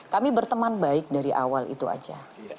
kami berteman baik dari awal itu aja